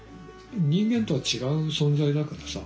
人間とは違う存在だからさ。